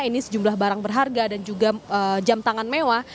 ini sejumlah barang berharga dan juga jam tangan mewah